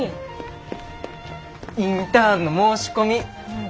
インターンの申し込み。